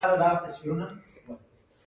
د غزني لیتیم کانونه ولې مهم دي؟